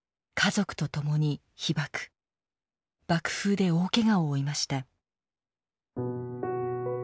爆風で大けがを負いました。